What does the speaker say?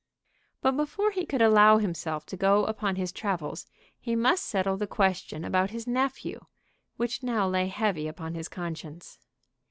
But before he could allow himself to go upon his travels he must settle the question about his nephew, which now lay heavy upon his conscience.